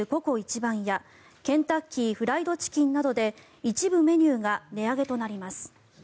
番屋ケンタッキー・フライド・チキンなどで一部メニューが値上げとなります。